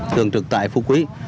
thường trực tại phú quý